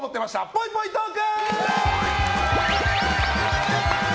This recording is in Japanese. ぽいぽいトーク！